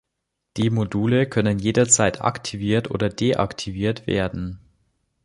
Die Module können jederzeit aktiviert oder deaktiviert werden.